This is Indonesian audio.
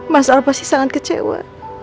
mas al pasti sangat kecewa